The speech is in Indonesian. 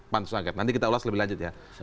pansus angket nanti kita ulas lebih lanjut ya